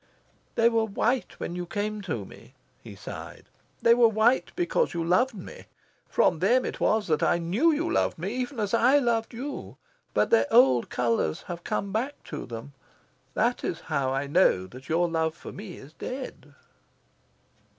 "They were white when you came to me," he sighed. "They were white because you loved me. From them it was that I knew you loved me even as I loved you. But their old colours have come back to them. That is how I know that your love for me is dead."